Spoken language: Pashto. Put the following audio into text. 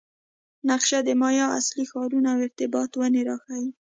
نقشه د مایا اصلي ښارونه او ارتباط ونې راښيي